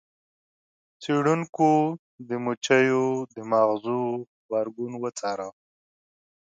څیړونکو د مچیو د ماغزو غبرګون وڅاره.